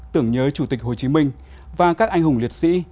tưởng nhớ chủ tịch hồ chí minh và các anh hùng liệt sĩ